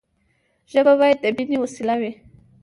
ژبه باید د ميني وسیله وي.